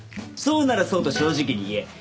そうならそうと正直に言え。